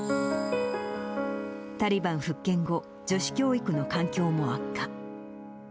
タリバン復権後、女子教育の環境も悪化。